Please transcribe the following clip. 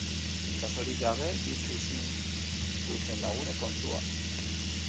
Itsasorik gabe bizi ezin duten lagunen kontuak.